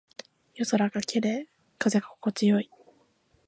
夜空が綺麗。風が心地よい。